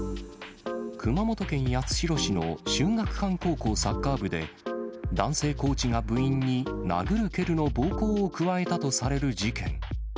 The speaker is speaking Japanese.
熊本県八代市の秀岳館高校サッカー部で、男性コーチが部員に殴る蹴るの暴行を加えたとされる事件。